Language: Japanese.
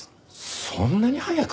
そんなに早く！？